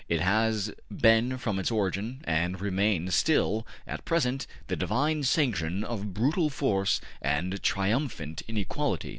It has been from its origin, and it remains still at present, the divine sanction of brutal force and triumphant inequality.